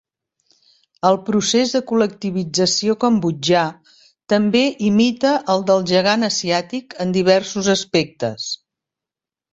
El procés de col·lectivització cambodjà també imita al del gegant asiàtic en diversos aspectes.